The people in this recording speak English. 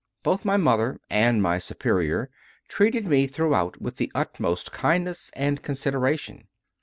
Both my mother and my Superior treated me throughout with the utmost kindness and con sideration.